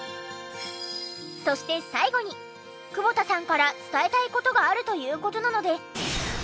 そして最後に久保田さんから伝えたい事があるという事なので。